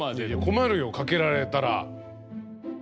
困るよかけられたら。